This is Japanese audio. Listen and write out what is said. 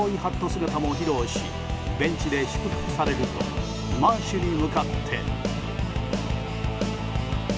姿も披露しベンチで祝福されるとマーシュに向かって。